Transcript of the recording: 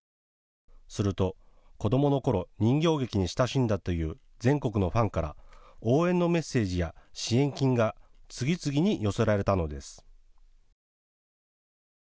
すると子どものころ、人形劇に親しんだという全国のファンから応援のメッセージや支援金が次々に寄せられたのです。